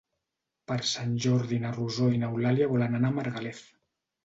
Per Sant Jordi na Rosó i n'Eulàlia volen anar a Margalef.